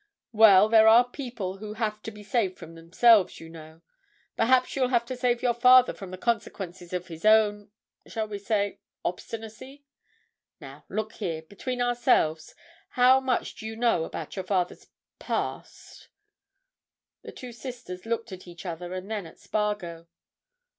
"Well, there are people who have to be saved from themselves, you know. Perhaps you'll have to save your father from the consequences of his own—shall we say obstinacy? Now, look here, between ourselves, how much do you know about your father's—past?" The two sisters looked at each other and then at Spargo.